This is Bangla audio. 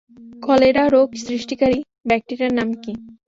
কলেরা রোগ সৃষ্টিকারী ব্যাকটেরিয়ার নাম কী?